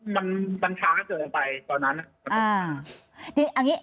มันช้าเกินไปตอนนั้น